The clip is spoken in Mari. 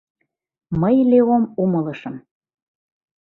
Мый Леом умылышым.